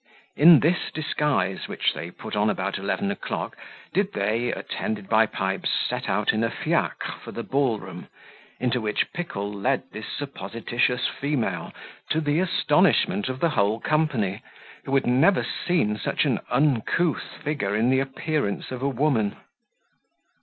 In this disguise, which they put on about eleven o'clock, did they, attended by Pipes, set out in a fiacre for the ball room, into which Pickle led this supposititious female, to the astonishment of the whole company, who had never seen such an uncouth figure in the appearance of a woman.